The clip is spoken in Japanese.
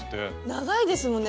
長いですもんね